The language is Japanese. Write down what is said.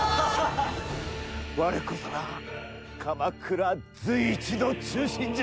我こそが鎌倉随一の忠臣じゃ！